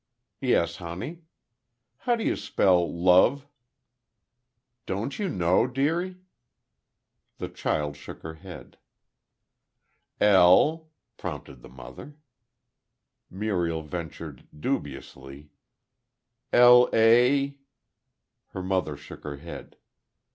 "Yes, honey?" "How do you spell love?" "Don't you know, dearie?" The child shook her head. "L," prompted the mother. Muriel ventured, dubiously: "L a ?" Her mother shook her head.